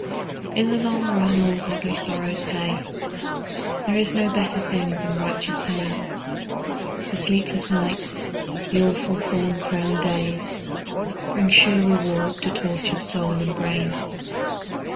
In the long run all godly sorrow pays, There is no better thing than righteous pain, The sleepless nights, the awful thorn crowned days, Bring sure reward to tortured soul and brain.